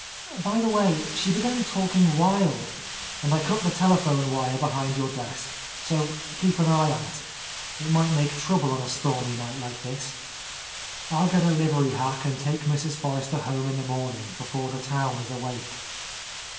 By the way, she began talking wild, and I cut the telephone wire behind your desk. So keep an eye on it. It might make trouble on a stormy night like this. I'll get a livery hack and take Mrs. Forrester home in the morning, before the town is awake."